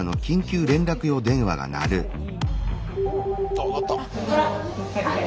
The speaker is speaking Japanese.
☎あ鳴った！